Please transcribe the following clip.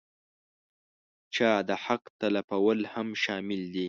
چا د حق تلفول هم شامل دي.